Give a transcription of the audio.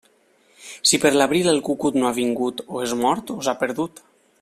Si per l'abril el cucut no ha vingut, o és mort o s'ha perdut.